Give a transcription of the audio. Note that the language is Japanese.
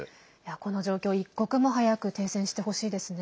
この状況、一刻も早く停戦してほしいですね。